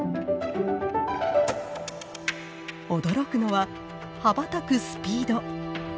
驚くのは羽ばたくスピード。